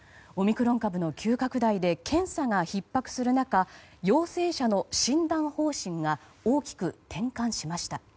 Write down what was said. オミクロン株の急拡大で検査がひっ迫する中陽性者の診断方針が大きく転換しました。